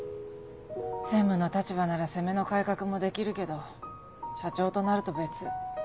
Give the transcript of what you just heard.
専務の立場なら攻めの改革もできるけど社長となると別。